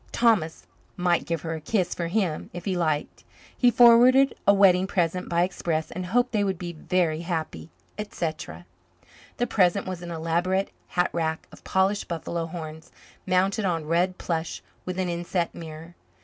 Thomas might give her a kiss for him if he liked. He forwarded a wedding present by express and hoped they would be very happy, etc. The present was an elaborate hatrack of polished buffalo horns, mounted on red plush, with an inset mirror.